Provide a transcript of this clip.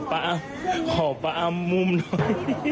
อร่อยแล้วดูสิ